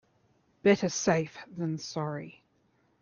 Better safe than sorry.